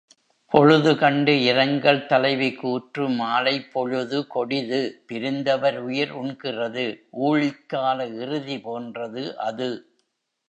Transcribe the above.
பொழுதுகண்டு இரங்கல் தலைவி கூற்று மாலைப்பொழுது கொடிது பிரிந்தவர் உயிர் உண்கிறது ஊழிக்கால இறுதி போன்றது அது.